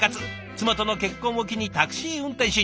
妻との結婚を機にタクシー運転手に。